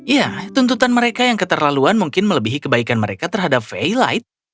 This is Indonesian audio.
ya tuntutan mereka yang keterlaluan mungkin melebihi kebaikan mereka terhadap velight